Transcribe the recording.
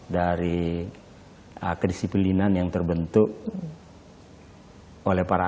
dari kedisiplinan yang terbentuk oleh para